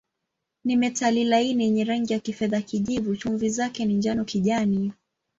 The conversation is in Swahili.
Ni metali laini yenye rangi ya kifedha-kijivu, chumvi zake ni njano-kijani.